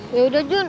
ya udah jun